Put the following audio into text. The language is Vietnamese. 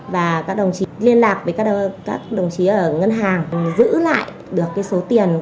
và các đồng chí liên lạc với các đồng chí ở ngân hàng giữ lại được số tiền